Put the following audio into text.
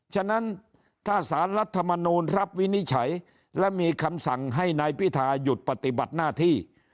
ฉะนั้นถ้าสารรัฐมนูลรับวินิจฉัยและมีคำสั่งให้นายพิทาหยุดปฏิบัติหน้าที่